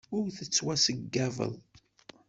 Ur tettwaxeyyabeḍ.